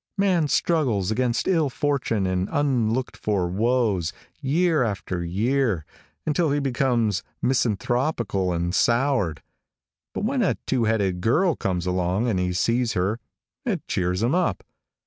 Man struggles against ill fortune and unlooked for woes, year after year, until he becomes misanthropical and soured, but when a two headed girl comes along and he sees her it cheers him up.